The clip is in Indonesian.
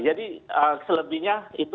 jadi selebihnya itu